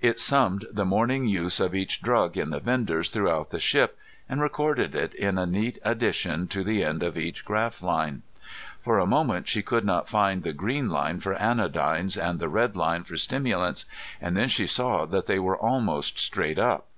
It summed the morning use of each drug in the vendors throughout the ship, and recorded it in a neat addition to the end of each graph line. For a moment she could not find the green line for anodynes and the red line for stimulants, and then she saw that they went almost straight up.